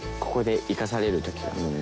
ここで生かされる時が。